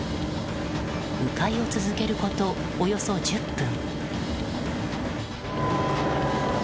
迂回を続けること、およそ１０分。